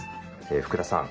福田さん